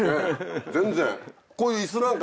全然。